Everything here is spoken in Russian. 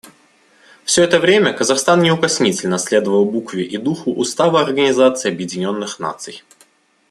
Все это время Казахстан неукоснительно следовал букве и духу Устава Организации Объединенных Наций.